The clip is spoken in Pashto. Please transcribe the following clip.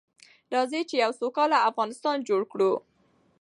راځئ چې يو سوکاله افغانستان جوړ کړو.